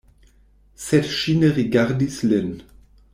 Sed ŝi ne rigardis lin.